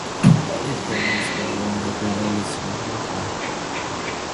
Its body is covered on the playing end with snakeskin.